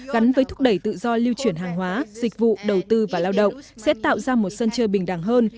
gắn với thúc đẩy tự do lưu chuyển hàng hóa dịch vụ đầu tư và lao động sẽ tạo ra một sân chơi bình đẳng hơn